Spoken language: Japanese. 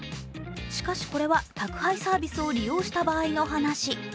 しかし、これは宅配サービスを利用した場合の話。